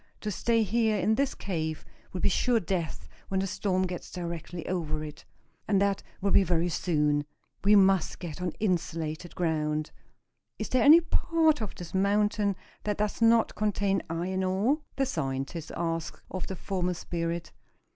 To stay here in this cave will be sure death when the storm gets directly over it. And that will be very soon. We must get on insulated ground. Is there any part of this mountain that does not contain iron ore?" the scientist asked of the former spirit.